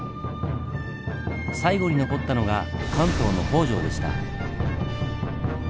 最後に残ったのが関東の北条でした。